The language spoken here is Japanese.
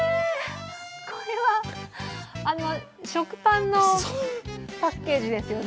食パンのパッケージですよね。